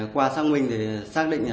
qua sáng binh thì xác định là